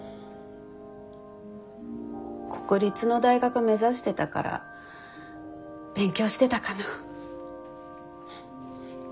国立の大学目指してたから勉強してたかな。